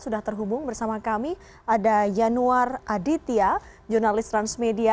sudah terhubung bersama kami ada yanuar aditya jurnalis transmedia